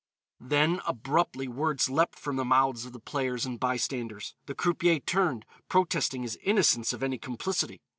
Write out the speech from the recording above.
Then abruptly words leapt from the mouths of the players and bystanders. The croupier turned, protesting his innocence of any complicity.